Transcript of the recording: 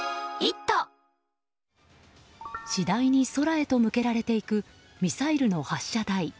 次第に空へと向けられていくミサイルの発射台。